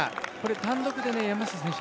単独で山下選手